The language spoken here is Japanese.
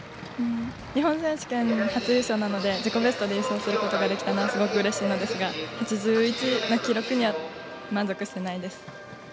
日本選手権初優勝なので自己ベストで優勝することができたのはすごくうれしいのですが８１の記録には満足してないです。